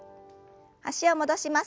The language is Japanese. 脚を戻します。